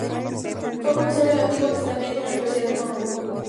Fue profesor del Antiguo Testamento en la Universidad de Marburgo.